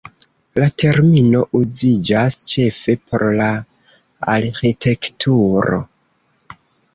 La termino uziĝas ĉefe por la arĥitekturo.